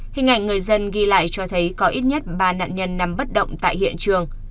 hình ảnh người dân ghi lại cho thấy có ít nhất ba nạn nhân nằm bất động tại hiện trường